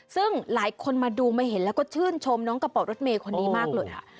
ซึ่งหลายคนมาดูมาเห็นแล้วก็ชื่นชมน้องกระเป๋ารถเมย์คนนี้มากเลยค่ะ